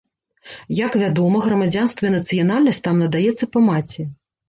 Як вядома, грамадзянства і нацыянальнасць там надаецца па маці.